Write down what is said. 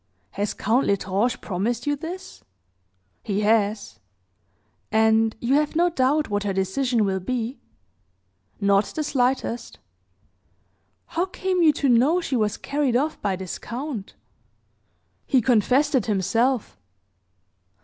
"Has Count L'Estrange promised you this?" "He has." "And you have no doubt what her decision will be?" "Not the slightest." "How came you to know she was carried off by this count?" "He confessed it himself."